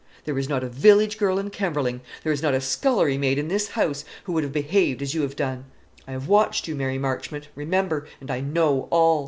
"There is not a village girl in Kemberling, there is not a scullerymaid in this house, who would have behaved as you have done. I have watched you, Mary Marchmont, remember, and I know all.